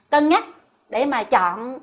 cân nhắc để mà chọn